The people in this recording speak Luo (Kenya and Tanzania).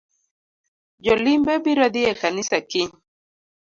Jolimbe biro dhii e kanisa kiny